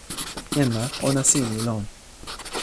ken la, ona sin li lon.